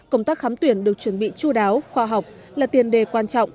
công tác khám tuyển được chuẩn bị chú đáo khoa học là tiền đề quan trọng